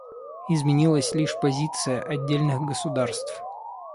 Изменилась лишь позиция отдельных государств.